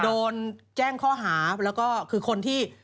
โดนแจ้งข้อหาแล้วก็คือคนที่